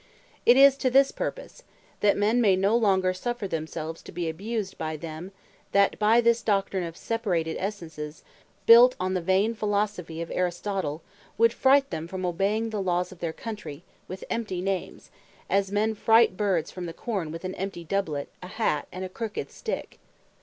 It is to this purpose, that men may no longer suffer themselves to be abused, by them, that by this doctrine of Separated Essences, built on the Vain Philosophy of Aristotle, would fright them from Obeying the Laws of their Countrey, with empty names; as men fright Birds from the Corn with an empty doublet, a hat, and a crooked stick.